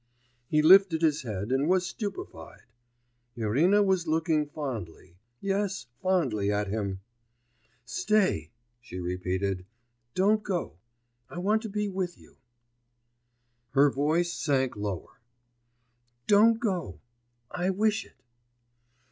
He lifted his head and was stupefied; Irina was looking fondly yes, fondly at him. 'Stay,' she repeated; 'don't go. I want to be with you.' Her voice sank still lower. 'Don't go.... I wish it.